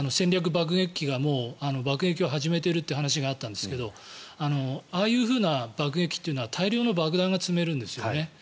爆撃機が爆撃を始めているという話があったんですけどああいうふうな爆撃というのは大量の爆弾が積めるんです。